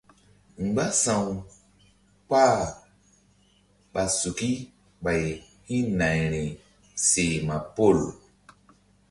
Mgbása̧w kpah ɓa suki ɓay hi̧nayri seh ma pol.